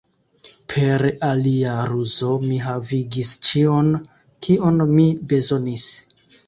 Per alia ruzo, mi havigis ĉion, kion mi bezonis.